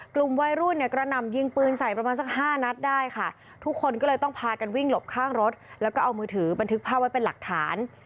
กลุ่มวัยรุ่นเนี่ยกระหน่ำยิงปืนใส่ประมาณสักห้านัดได้ค่ะทุกคนก็เลยต้องพากันวิ่งหลบข้างรถแล้วก็เอามือถือบันทึกภาพไว้เป็นหลักฐาน